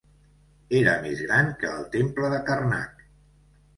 Era més gran que el temple de Karnak.